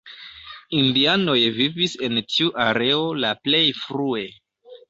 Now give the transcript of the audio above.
Indianoj vivis en tiu areo la plej frue.